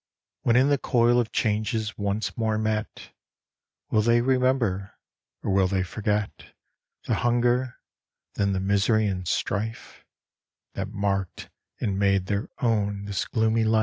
When in the coil of changes once more met, Will they remember or will they forget The hunger, then the misery and strife That marked and made their own this gloomy life